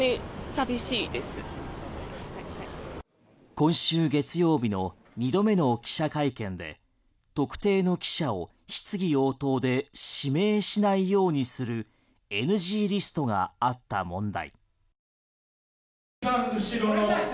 今週月曜日の２度目の記者会見で特定の記者を質疑応答で指名しないようにするＮＧリストがあった問題。